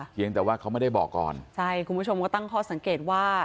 เพียงแต่ว่าเขาไม่ได้บอกก่อนใช่คุณผู้ชมก็ตั้งข้อสังเกตว่า